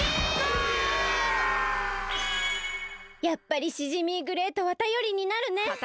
やっぱりシジミーグレイトはたよりになるね！